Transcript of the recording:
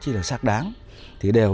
công ty môi trường huyện